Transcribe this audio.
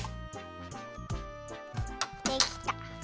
できた！